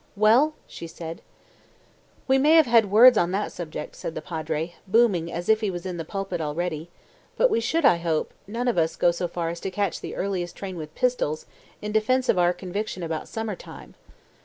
"Well?" she said. "We may have had words on that subject," said the Padre, booming as if he was in the pulpit already, "but we should, I hope, none of us go so far as to catch the earliest train with pistols, in defence of our conviction about summer time.